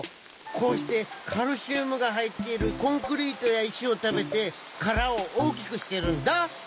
こうしてカルシウムがはいっているコンクリートやいしをたべてからをおおきくしてるんだ。